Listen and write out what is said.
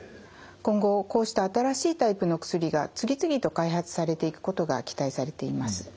今後こうした新しいタイプの薬が次々と開発されていくことが期待されています。